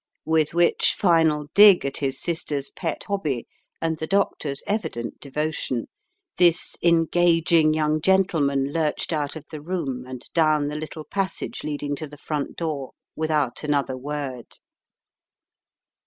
With which final dig at his sister's pet hobby and the doctor's evident devotion, this engaging young gentleman lurched out of the room and down the little passage leading to the front door without another word.